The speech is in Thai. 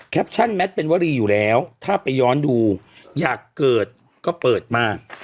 ชั่นแมทเป็นวรีอยู่แล้วถ้าไปย้อนดูอยากเกิดก็เปิดมาก